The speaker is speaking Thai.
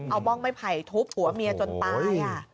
เอาม่องไม้ไผ่ทุบหัวเมียจนตาย